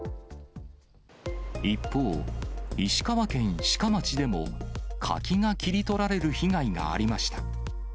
一方、石川県志賀町でも、柿が切り取られる被害がありました。